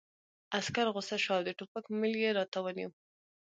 عسکر غوسه شو او د ټوپک میل یې راته ونیو